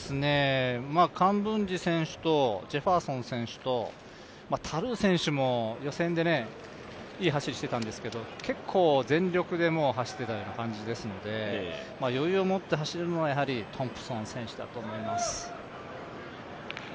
カンブンジ選手とジェファーソン選手とタルー選手も予選でいい走りしてたんですけど結構全力で走っていたような感じですので、余裕をもって走れるのはやはりトンプソン選手だと思います。